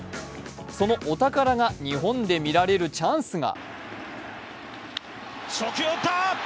そのお宝が日本で見られるチャンスが。